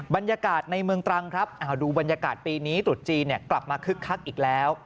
บรรยากาศในเมืองตรังครับดูบรรยากาศปีนี้ตรุษจีนกลับมาคึกคักอีกแล้ว